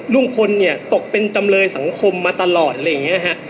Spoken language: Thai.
ลุงพลเนี่ยตกเป็นจำเลยสังคมมาตลอดอะไรอย่างนี้ฮะ